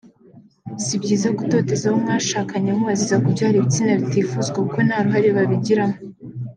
si byiza gutoteza abo mwashakanye mubaziza kubyara ibitsina bitifuzwa kuko nta ruhare babigiramo